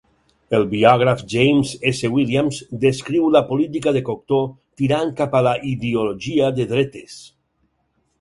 El Biògraf James S. Williams descriu la política de Cocteau tirant cap a la idiologia de dretes.